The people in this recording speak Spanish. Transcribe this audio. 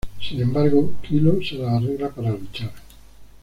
Sin embargo, Kilo se las arregla para luchar.